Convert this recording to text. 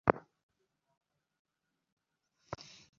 মহসিন শোবারের ঘরের দরজায় টোকা দিয়ে বলল, আসব দুলাভাই?